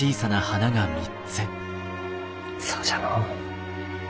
そうじゃのう。